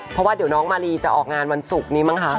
พอว่าเดี๋ยวน้องมารีจะออกงานวันฝั่งนี้มั้ง